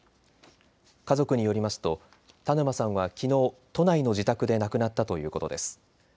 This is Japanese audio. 家族によりますと田沼さんはきのう都内の自宅で亡くなったということです。